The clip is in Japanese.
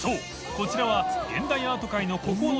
こちらは現代アート界の氷發療